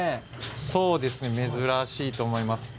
そうですね珍しいと思います。